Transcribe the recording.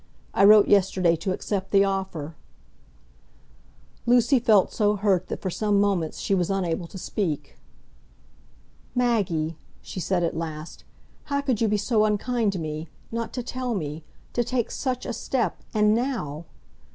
I wrote yesterday to accept the offer." Lucy felt so hurt that for some moments she was unable to speak. "Maggie," she said at last, "how could you be so unkind to me—not to tell me—to take such a step—and now!"